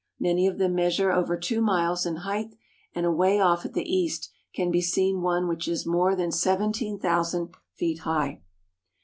Many of them measure over two miles in height, and away off at the east can be seen one which is more than seventeen thousand feet high.